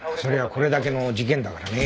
これだけの事件だからね。